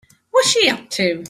What's she up to?